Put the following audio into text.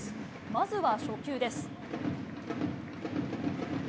まずは初球です。